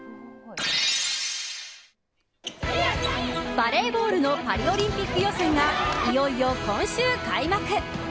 バレーボールのパリオリンピック予選がいよいよ今週開幕。